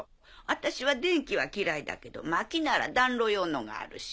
私は電気は嫌いだけど薪なら暖炉用のがあるし。